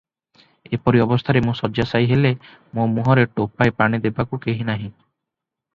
ଏପରି ଅବସ୍ଥାରେ ମୁଁ ଶଯ୍ୟାଶାୟୀ ହେଲେ ମୋ ମୁହଁରେ ଟୋପାଏ ପାଣି ଦେବାକୁ କେହି ନାହି ।